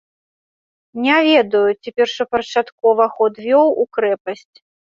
Не ведаю, ці першапачаткова ход вёў у крэпасць.